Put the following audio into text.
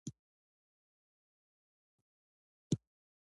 بکتریا د بدن دفاع کې مهم رول لري